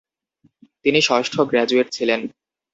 তিনি ষষ্ঠ গ্রাজুয়েট ছিলেন।